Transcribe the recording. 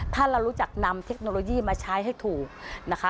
ถ้าเรารู้จักนำเทคโนโลยีมาใช้ให้ถูกนะคะ